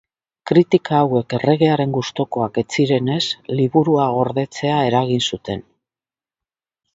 Kritika hauek erregearen gustukoak ez zirenez, liburua gordetzea eragin zuten.